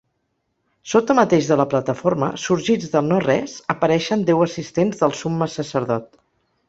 Sota mateix de la plataforma, sorgits del nores, apareixen deu assistents del Summe Sacerdot.